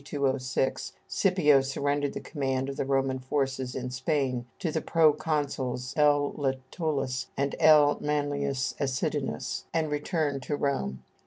206, Scipio surrendered the command of the Roman forces in Spain to the proconsuls L. Lentulus and L. Manlius Acidinus, and returned to Rome.